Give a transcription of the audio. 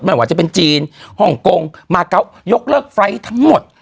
ไหมว่าเป็นจีนห่องคงมาเกาะยกเลิกไฟทั้งหมด